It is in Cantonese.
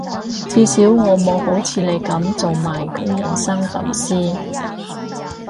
至少我冇好似你噉做埋佢人生導師